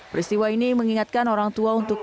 peristiwa ini mengingatkan orang tua untuk